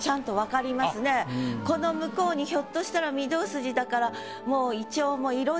この向こうにひょっとしたら御堂筋だからもう。